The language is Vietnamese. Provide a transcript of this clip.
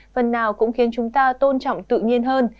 phần nào cũng khiến chúng ta tôn trọng tự nhiên hơn